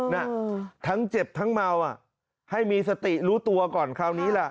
น่ะทั้งเจ็บทั้งเมาอ่ะให้มีสติรู้ตัวก่อนคราวนี้ล่ะ